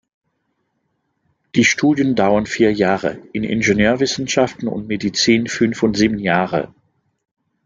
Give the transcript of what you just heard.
Die Studien dauern vier Jahre, in Ingenieurswissenschaften und Medizin fünf und sieben Jahre.